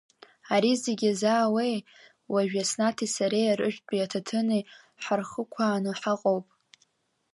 Ари зегь иазаауеи, уажә Иаснаҭи сареи арыжәтәи аҭаҭыни ҳархықәааны ҳаҟоуп.